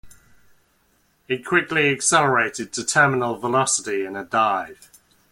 It quickly accelerated to terminal velocity in a dive.